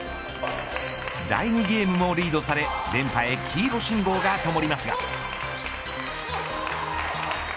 第２ゲームもリードされ連覇へ黄色信号がともりますが。